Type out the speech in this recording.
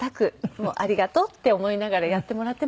もうありがとうって思いながらやってもらっています。